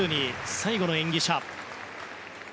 最後の演技者。